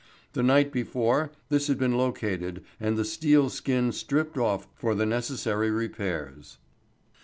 The night before, this had been located and the steel skin stripped off for the necessary repairs.